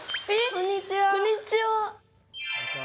こんにちは。